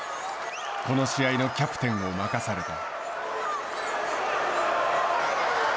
この試合のキャプテンを任された。